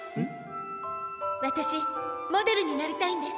わたしモデルになりたいんです。